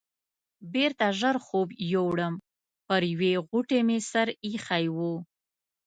بېرته ژر خوب یووړم، پر یوې غوټې مې سر ایښی و.